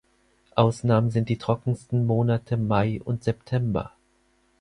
Ausnahmen sind die trockensten Monate Mai und September.